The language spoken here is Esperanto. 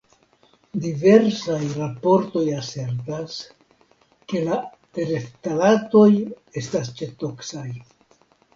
Diversaj raportoj asertas ke la tereftalatoj estas ĉetoksaj.